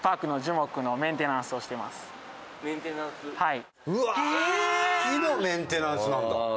木のメンテナンスの専門。